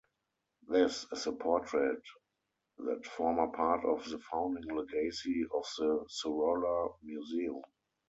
This is a portrait that formed part of the founding legacy of the Sorolla Museum.